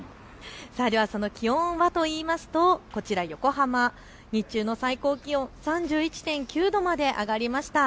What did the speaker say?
では気温はといいますとこちら横浜、日中の最高気温３１．９度まで上がりました。